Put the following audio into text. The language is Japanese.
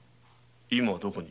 今どこに？